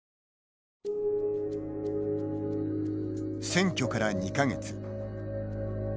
選挙から２か月。